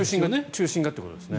中心がということですね。